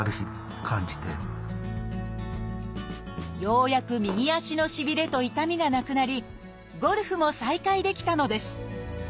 ようやく右足のしびれと痛みがなくなりゴルフも再開できたのです。